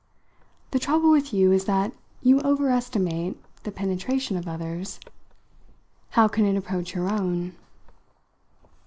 "The trouble with you is that you over estimate the penetration of others. How can it approach your own?"